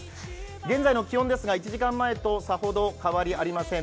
現在の気温ですが１時間前とさほど変わりありません。